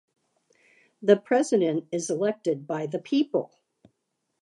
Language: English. The president is elected by the people.